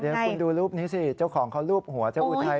เดี๋ยวคุณดูรูปนี้สิเจ้าของเขารูปหัวเจ้าอุทัย